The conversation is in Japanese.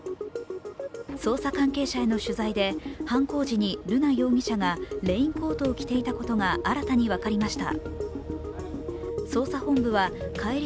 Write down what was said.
捜査関係者への取材で、犯行時に瑠奈容疑者がレインコートを着ていたことが新たに分かりました。